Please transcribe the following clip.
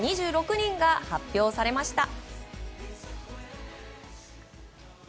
２６人が発表されました。